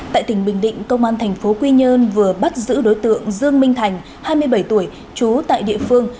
tại tỉnh bình định công an thành phố quy nhơn vừa bắt giữ đối tượng dương minh thành hai mươi bảy tuổi trú tại địa phương